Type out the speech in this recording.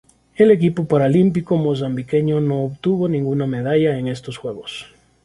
El equipo paralímpico mozambiqueño no obtuvo ninguna medalla en estos Juegos.